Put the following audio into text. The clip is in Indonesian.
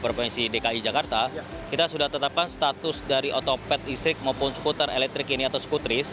provinsi dki jakarta kita sudah tetapkan status dari otopet listrik maupun skuter elektrik ini atau skutris